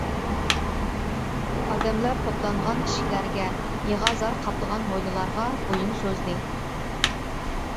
ئادەملەر توپلانغان ئىشىكلەرگە، يىغا-زار قاپلىغان ھويلىلارغا بويۇن سوزدى.